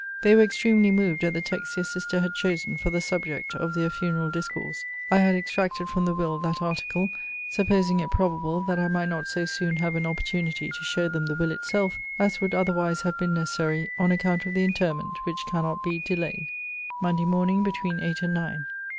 They were extremely moved at the text their sister had chosen for the subject of their funeral discourse.* I had extracted from the will that article, supposing it probable that I might not so soon have an opportunity to show them the will itself, as would otherwise have been necessary, on account of the interment, which cannot be delayed. * See the Will, in pg. 112 of this volume. MONDAY MORNING, BETWEEN EIGHT AND NINE.